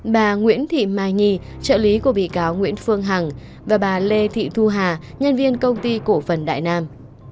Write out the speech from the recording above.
bà nguyễn thị mai nhi trợ lý của bị cáo nguyễn phương hằng và bà lê thị thu hà nhân viên công ty cổ phần đại nam